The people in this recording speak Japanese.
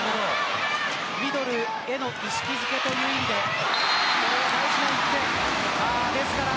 ミドルへの意識づけという点では大事な１点。